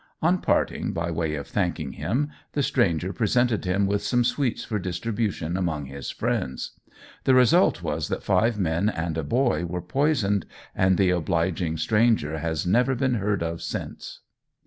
On parting, by way of thanking him, the stranger presented him with some sweets for distribution among his friends. The result was that five men and a boy were poisoned, and the obliging stranger has never been heard of since."